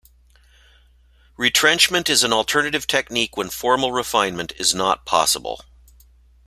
Retrenchment is an alternative technique when formal refinement is not possible.